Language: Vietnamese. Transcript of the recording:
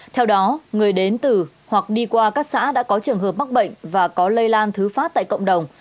theo đó người đến từ hoặc đi qua các xã đã có trường hợp mắc bệnh và có lây lan thứ phát tại cộng đồng